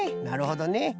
なるほどね。